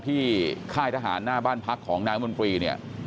ที่ค่ายทหารหน้าบ้านพักของนางมนตรี